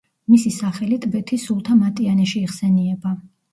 მისი სახელი ტბეთის სულთა მატიანეში იხსენიება.